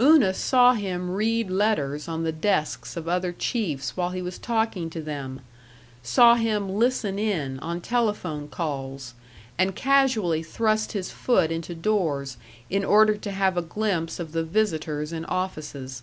Una saw him read letters on the desks of other chiefs while he was talking to them; saw him "listen in" on telephone calls, and casually thrust his foot into doors, in order to have a glimpse of the visitors in offices.